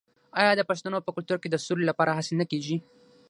آیا د پښتنو په کلتور کې د سولې لپاره هڅې نه کیږي؟